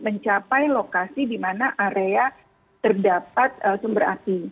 mencapai lokasi dimana area terdapat sumber api